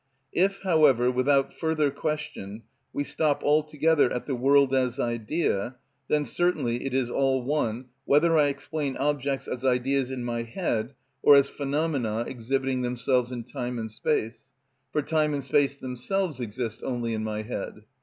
If, however, without further question, we stop altogether at the world as idea, then certainly it is all one whether I explain objects as ideas in my head or as phenomena exhibiting themselves in time and space; for time and space themselves exist only in my head.